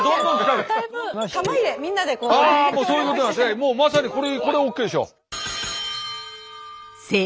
もうまさにこれこれＯＫでしょ！